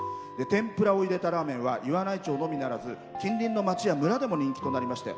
天ぷらを入れたラーメンは岩内町のみならず近隣の町や村でも人気となりまして